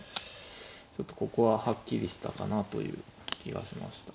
ちょっとここははっきりしたかなという気がしました。